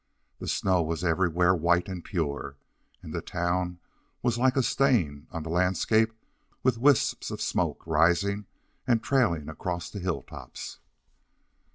The snow was everywhere white and pure, and the town was like a stain on the landscape with wisps of smoke rising and trailing across the hilltops.